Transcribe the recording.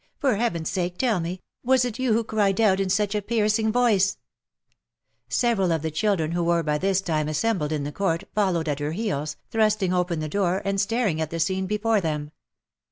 For Heaven's sake, tell me, was it you who cried out in such a piercing voice V* Several of the children, who were by this time assembled in the court, followed at her heels, thrusting open the door, and staring at the scene before them.